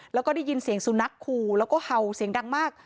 แล้วก็ได้ยินเสียงสุนัขขู่แล้วก็เห่าเสียงดังมาก